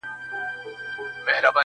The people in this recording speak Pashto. د رڼا لمن خپره سي بیا تیاره سي!.